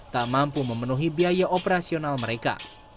tak mampu memenuhi biaya operasional mereka